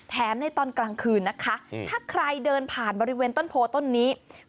ในตอนกลางคืนนะคะถ้าใครเดินผ่านบริเวณต้นโพต้นนี้